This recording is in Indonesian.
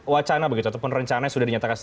wacana begitu ataupun rencana yang sudah dinyatakan